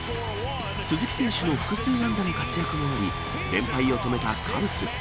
鈴木選手の複数安打の活躍もあり、連敗を止めたカブス。